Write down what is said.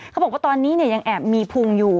เขาบอกว่าตอนนี้ยังแอบมีพุงอยู่